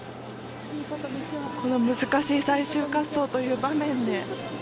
この難しい最終滑走という場面で。